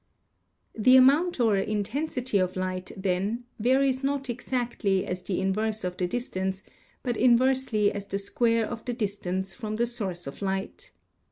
The amount or intensity of light, then, varies not ex actly as the inverse of the distance, but inversely as the square of the distance from the source of light.